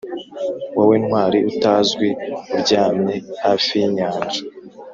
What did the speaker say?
wowe ntwari utazwi uryamye hafi yinyanja